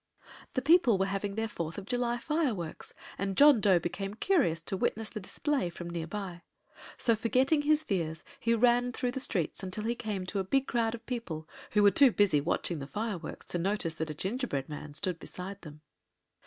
The people were having their Fourth of July fireworks, and John Dough became curious to witness the display from near by. So, forgetting his fears, he ran through the streets until he came to a big crowd of people, who were too busy watching the fireworks to notice that a gingerbread man stood beside them.